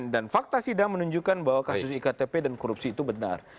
dan fakta sidang menunjukkan bahwa kasus iktp dan korupsi itu benar